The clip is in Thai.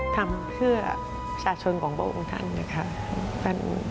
ทำเพื่อสาชนของบัวองค์ท่านนะครับ